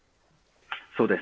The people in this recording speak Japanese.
そうです。